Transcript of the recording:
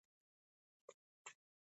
د وخت ارزښت باید وپیژنو.